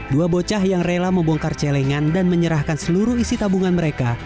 dua bocah yang rela membongkar celengan dan menyerahkan seluruh isi tabungan mereka